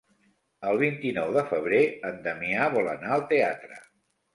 El vint-i-nou de febrer en Damià vol anar al teatre.